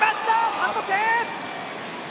３得点！